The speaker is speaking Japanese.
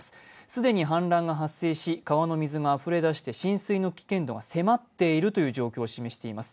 既に氾濫が発生し川の水があふれ出し浸水の危険度が迫っているという状況を示しています。